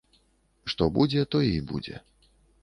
Што будзе, тое і будзе.